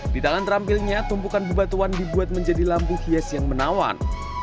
di dalam terampilnya tumpukan bebatuan dibuat menjadi lampu hias yang menawan